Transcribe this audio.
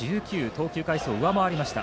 投球回数を上回りました。